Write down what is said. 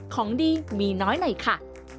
ของดีมีน้อยไหนค่ะ